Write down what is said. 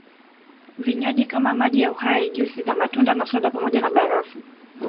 Vinywaji kama maji ya Uhai juisi za matunda na soda pamoja na barafu